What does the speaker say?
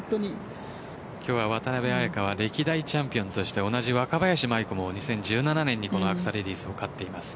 今日は渡邉彩香は歴代チャンピオンとして同じ若林舞衣子も２０１７年にアクサレディスを勝っています。